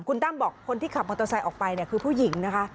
คุณตั้มบอกคนที่ขับมอเตอร์ไซค์ออกไปเนี่ยคือผู้หญิงนะคะ